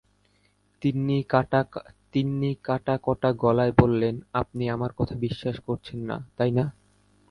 তিন্নি কাটা-কটা গলায় বলল, আপনি আমার কথা বিশ্বাস করছেন না, তাই না?